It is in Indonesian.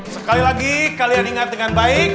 sekali lagi kalian ingat dengan baik